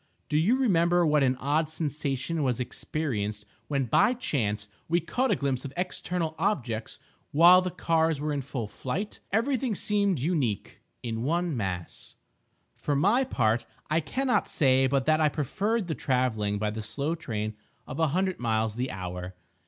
Do you remember what an odd sensation was experienced when, by chance, we caught a glimpse of external objects while the cars were in full flight? Every thing seemed unique—in one mass. For my part, I cannot say but that I preferred the travelling by the slow train of a hundred miles the hour.